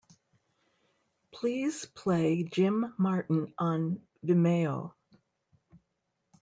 Please play Jim Martin on Vimeo.